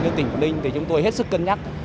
với tỉnh quảng ninh thì chúng tôi hết sức cân nhắc